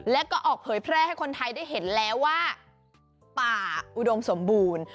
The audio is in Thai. แล้วก็ออกเผยแพร่ให้คนไทยได้เห็นแล้วว่าป่าอุดมสมบูรณ์